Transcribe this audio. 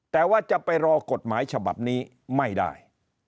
แต่ว่าจะไปรอกฎหมายฉบับนี้ไม่ได้